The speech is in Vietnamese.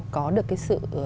có được cái sự